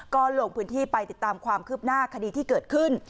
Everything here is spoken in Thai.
ก็ลงพื้นที่ไปติดตามความคืบหน้าคดีที่เกิดขึ้น